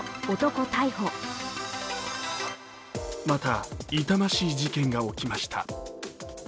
また痛ましい事件が起きました。